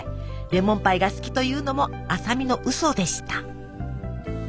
レモンパイが好きというのも麻美のウソでした。